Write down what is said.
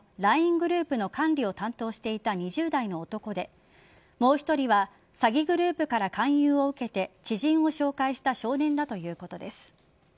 ＬＩＮＥグループの管理を担当していた２０代の男でもう１人は詐欺グループから勧誘を受けて知人を紹介した少年だということです。